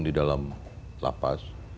di dalam lapas